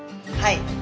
はい。